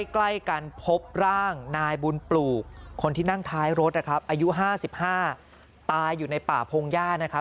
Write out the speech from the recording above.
ใกล้กันพบร่างนายบุญปลูกคนที่นั่งท้ายรถนะครับอายุ๕๕ตายอยู่ในป่าพงหญ้านะครับ